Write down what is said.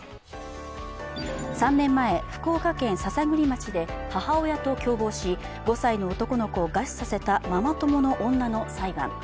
３年前、福岡県篠栗町で母親と共謀し５歳の男の子を餓死させたママ友の女の裁判。